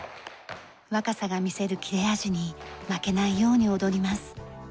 若さが見せる切れ味に負けないように踊ります。